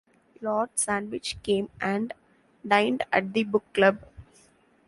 Lord Sandwich came and dined at the book-club.